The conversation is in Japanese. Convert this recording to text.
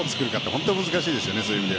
本当に難しいですね。